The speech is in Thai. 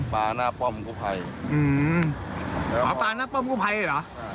ปาแป้งป้ามกู้ภัยเหรอ